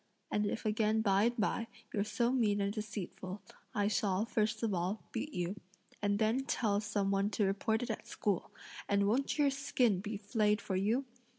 And if again by and by, you're so mean and deceitful, I shall, first of all, beat you, and then tell some one to report it at school, and won't your skin be flayed for you?